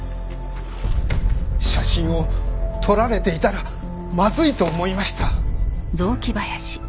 写真を撮られていたらまずいと思いました。